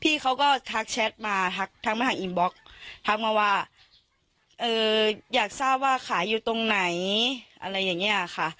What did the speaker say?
พี่เขาก็ทักแชทมาทักทักมาหาอินบล็อกทักมาว่าอยากทราบว่าขายอยู่ตรงไหนอะไรอย่างนี้ค่ะ